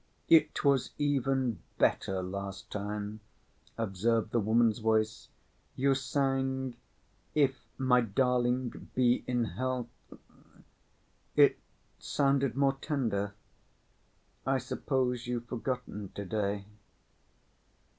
"It was even better last time," observed the woman's voice. "You sang 'If my darling be in health'; it sounded more tender. I suppose you've forgotten to‐day."